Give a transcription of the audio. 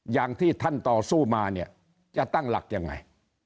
อย่างที่ท่านต่อสู้มาเนี่ยจะตั้งหลักยังไง